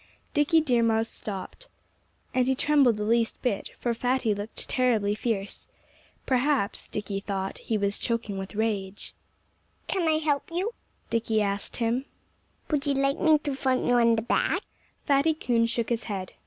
Dickie Deer Mouse stopped. And he trembled the least bit; for Fatty looked terribly fierce. Perhaps (Dickie thought) he was choking with rage. "Can I help you?" Dickie asked him. "Would you like me to thump you on the back?" Fatty Coon shook his head.